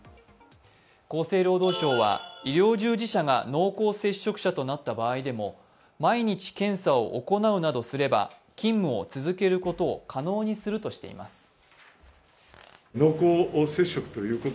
厚生労働省は医療従事者が濃厚接触者となった場合でも毎日、検査を行うなどすれば勤務を続けることを可能にするとしています。